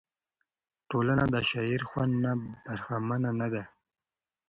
ټولنه د شاعر د خوند نه برخمنه نه ده.